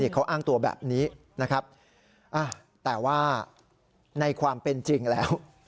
เขาอ้างตัวแบบนี้นะครับแต่ว่าในความเป็นจริงแล้ว